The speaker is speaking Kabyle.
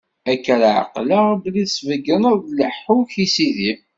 Akka ara ɛeqleɣ belli tesbeggneḍ-d lehhu-k i sidi.